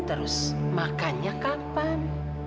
terus makannya kapan